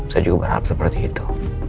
saya juga berharap seperti itu